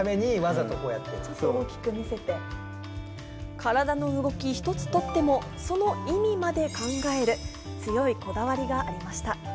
体の動き一つとっても、その意味まで考える、強いこだわりがありました。